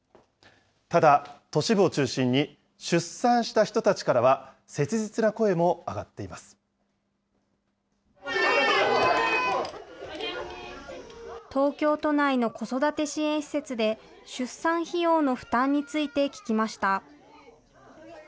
ただ、都市部を中心に、出産した人たちからは切実な声も上がって東京都内の子育て支援施設で、出産費用の負担について聞きました。